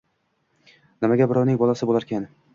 Nimaga birovning bolasi bo‘larkan!